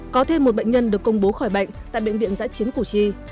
có thêm một bệnh nhân được công bố khỏi bệnh tại bệnh viện giãi chiến củ chi